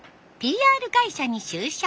ＰＲ会社に就職。